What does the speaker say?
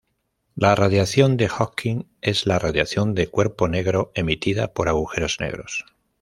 La radiación de Hawking es la radiación de cuerpo negro emitida por agujeros negros.